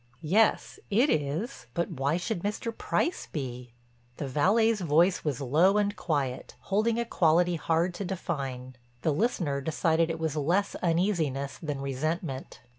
"Yes, it is, but why should Mr. Price be?" The valet's voice was low and quiet, holding a quality hard to define; the listener decided it was less uneasiness than resentment.